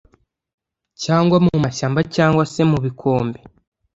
cyangwa mu mashyamba cyangwa se mu bikombe,